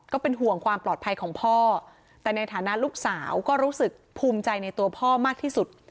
ก็เป็นห่วงความปลอดภัยของพ่อแต่ในฐานะลูกสาวก็รู้สึกภูมิใจในตัวพ่อมากที่สุด